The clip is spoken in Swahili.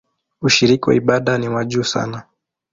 Ushiriki wa ibada ni wa juu sana.